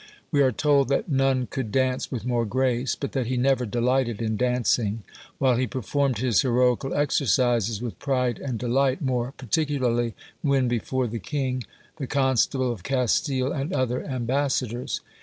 We are told that none could dance with more grace, but that he never delighted in dancing; while he performed his heroical exercises with pride and delight, more particularly when before the king, the constable of Castile, and other ambassadors.